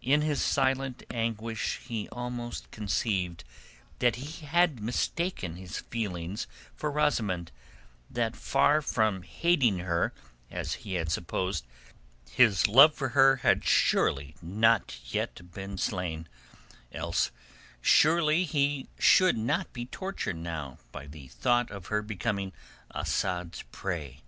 In his silent anguish he almost conceived that he had mistaken his feelings for Rosamund; that far from hating her as he had supposed, his love for her had not yet been slain, else surely he should not be tortured now by the thought of her becoming Asad's prey.